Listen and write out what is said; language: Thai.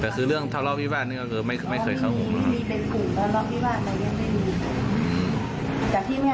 แต่คือเรื่องทะเลาะวิบาลนี่ก็คือไม่คือไม่เคยเข้าหูนะครับมีมีเป็นกลุ่มทะเลาะวิบาลในเรียนไม่มี